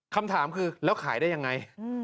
คำถามคือแล้วขายได้ยังไง